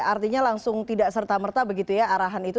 artinya langsung tidak serta merta begitu ya arahan itu